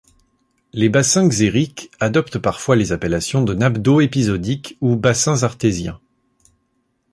Les bassins xériques adoptent parfois les appellations de nappes d'eau épisodiques ou bassins artésiens.